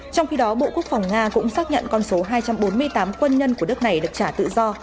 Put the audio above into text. trong khi đó bộ quốc phòng nga cũng xác nhận con số hai trăm bốn mươi tám quân nhân của đất này được trả tự do